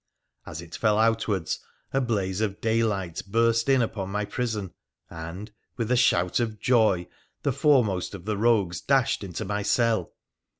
As it fell outwards, a blaze of daylight burst upon my prison, and, with a shout of joy, the foremost of the rogues dashed into my cell.